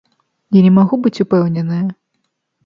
Я не магу быць упэўненая.